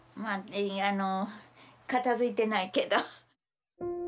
あの片づいてないけど。